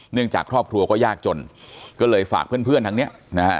เนื่องจากครอบครัวก็ยากจนก็เลยฝากเพื่อนทั้งเนี้ยนะฮะ